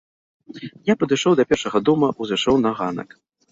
Я падышоў да першага дома, узышоў на ганак.